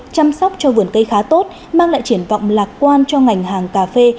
chăm sóc cho vườn cây khá tốt mang lại triển vọng lạc quan cho ngành hàng cà phê